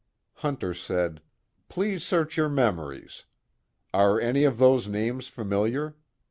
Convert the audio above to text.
Hunter said: "Please search your memories. Are any of those names familiar?